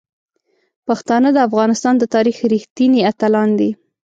پښتانه د افغانستان د تاریخ رښتیني اتلان دي.